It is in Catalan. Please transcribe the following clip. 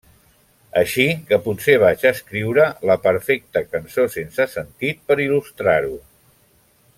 Així que potser vaig escriure la perfecta cançó sense sentit per il·lustrar-ho.